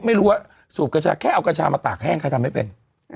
ไม่รู้ว่าสูบกัญชาแค่เอากัญชามาตากแห้งใครทำไม่เป็น